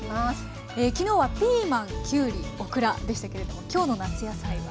昨日はピーマンキュウリオクラでしたけれども今日の夏野菜は？